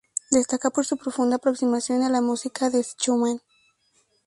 Destaca por su profunda aproximación a la música de Schumann.